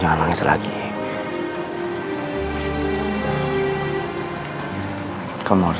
cuma kamu yang bisa melakukan hukuman saya jess